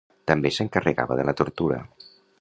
També s'encarregava de la tortura.